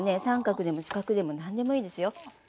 三角でも四角でも何でもいいですよ。